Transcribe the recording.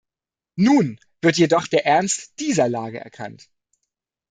Nun wird jedoch der Ernst dieser Lage erkannt.